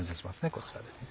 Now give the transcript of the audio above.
こちらで。